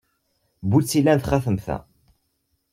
Anwa ay tt-ilan txatemt-a?